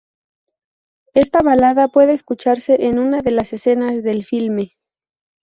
Esta balada puede escucharse en una de las escenas del filme.